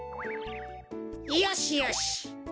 よしよし。